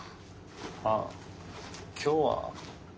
あっ今日は。